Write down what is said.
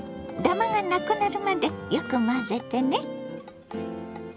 ダマがなくなるまでよく混ぜてね。